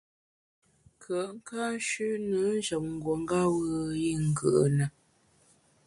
Nkùe’ ka nshüne njem nguongeb’e i ngù’ na.